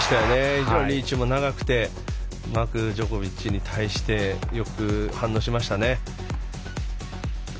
非常にリーチも長くてうまくジョコビッチに対してよく反応しましたね。